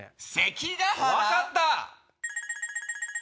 分かった。